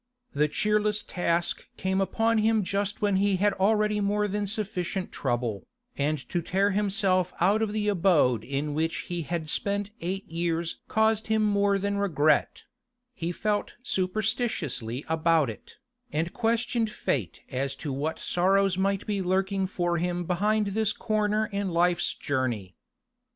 The cheerless task came upon him just when he had already more than sufficient trouble, and to tear himself out of the abode in which he had spent eight years caused him more than regret; he felt superstitiously about it, and questioned fate as to what sorrows might be lurking for him behind this corner in life's journey.